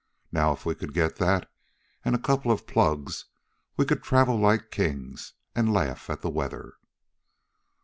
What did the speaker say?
Now, if we could get that, an' a couple of plugs, we could travel like kings, an' laugh at the weather."